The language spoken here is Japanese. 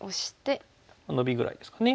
ノビぐらいですかね。